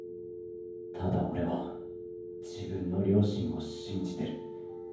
ただ俺は自分の良心を信じてる。